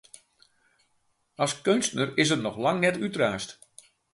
As keunstner is er noch lang net útraasd.